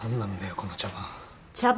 この茶番。